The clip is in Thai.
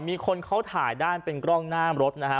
มีคนเขาถ่ายได้เป็นกล้องหน้ารถนะฮะ